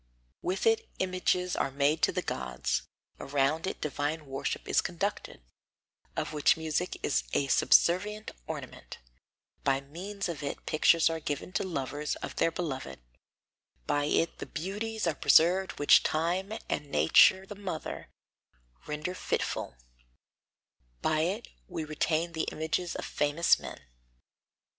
With it images are made to the gods; around it divine worship is conducted, of which music is a subservient ornament; by means of it pictures are given to lovers of their beloved; by it the beauties are preserved which time, and nature the mother, render fitful; by it we retain the images of famous men.